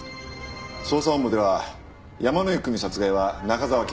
捜査本部では山井久美殺害は中沢啓一。